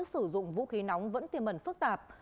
sử dụng vũ khí nóng vẫn tiềm mẩn phức tạp